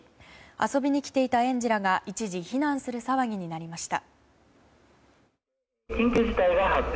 遊びに来ていた園児らが一時避難する騒ぎになりました。